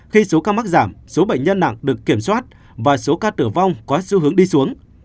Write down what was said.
khi số ca mắc giảm số bệnh nhân nặng được kiểm soát và số ca tử vong có xu hướng đi xuống